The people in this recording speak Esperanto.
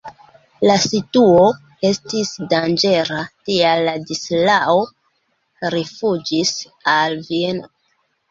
La situo estis danĝera, tial Ladislao rifuĝis al Vieno.